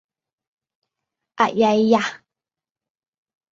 อะไยหย่ะ